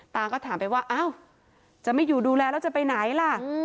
ก็ถามไปว่าอ้าวจะไม่อยู่ดูแลแล้วจะไปไหนล่ะ